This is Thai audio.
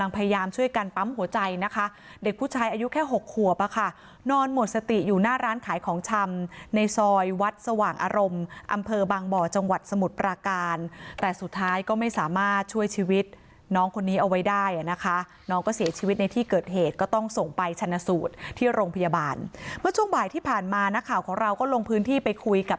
พยายามช่วยกันปั๊มหัวใจนะคะเด็กผู้ชายอายุแค่๖ขวบอ่ะค่ะนอนหมดสติอยู่หน้าร้านขายของชำในซอยวัดสว่างอารมณ์อำเภอบางบ่อจังหวัดสมุทรปราการแต่สุดท้ายก็ไม่สามารถช่วยชีวิตน้องคนนี้เอาไว้ได้นะคะน้องก็เสียชีวิตในที่เกิดเหตุก็ต้องส่งไปชนะสูตรที่โรงพยาบาลเมื่อช่วงบ่ายที่ผ่านมานักข่าวของเราก็ลงพื้นที่ไปคุยกับ